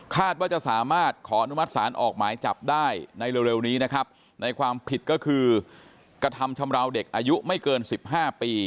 ว่าจะสามารถขออนุมัติศาลออกหมายจับได้ในเร็วนี้นะครับในความผิดก็คือกระทำชำราวเด็กอายุไม่เกินสิบห้าปี